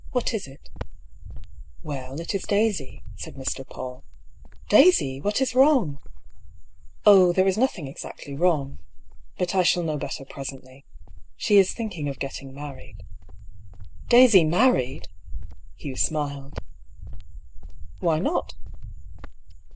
What is it ?"" Well, it is Daisy," said Mr. Paull. " Daisy I What is wrong ?"^* Oh, there is nothing exactly wrong. But I shall know better presently. She is thinking of getting married." " Daisy married 1 " Hugh smiled. " Why not